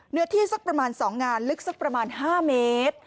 เนื้อที่สักประมาณ๒งานลึกสักประมาณ๕เมตร